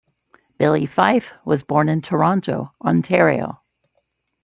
Billy Fyfe was born in Toronto, Ontario.